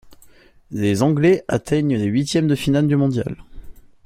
Les anglais atteignent les huitièmes de finale du mondial.